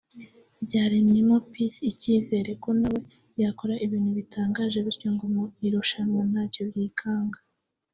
byaremyemo Peace icyizere ko na we yakora ibintu bitangaje bityo ngo mu irushanwa ntacyo yikanga